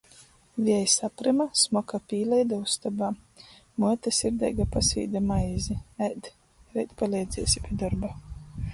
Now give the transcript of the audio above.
Viejs apryma, smoka pīleida ustobā. Muote sirdeiga pasvīde maizi. Ēd. Reit paleidziesi pi dorba.